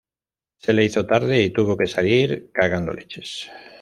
Se le hizo tarde y tuvo que salir cagando leches